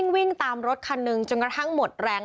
วิ่งตามรถคันหนึ่งจนกระทั่งหมดแรง